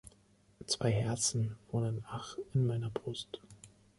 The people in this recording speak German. Zwei Herzen wohnen ach in meiner Brust!